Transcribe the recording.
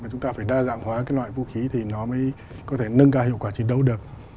chúng ta phải đa dạng hóa loại vũ khí thì nó mới có thể nâng cao hiệu quả chiến đấu được